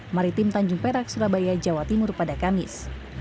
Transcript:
maritim tanjung perak surabaya jawa timur pada kamis